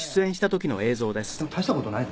でも大した事ないです